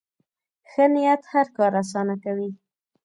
ښه نیت هر کار اسانه کوي.